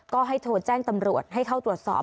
ก็ให้โทรแจ้งตำรวจให้เข้าตรวจสอบ